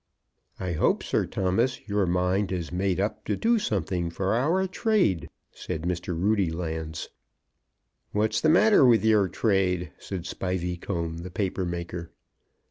"I hope, Sir Thomas, your mind is made up to do something for our trade," said Mr. Roodylands. "What's the matter with your trade?" said Spiveycomb, the paper maker.